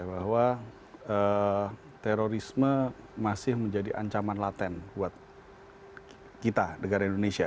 bahwa terorisme masih menjadi ancaman laten buat kita negara indonesia